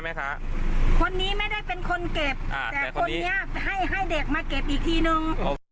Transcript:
คนนี้ไม่ได้เป็นคนเก็บแต่คนนี้ให้ให้เด็กมาเก็บอีกทีนึง